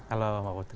halo mbak putri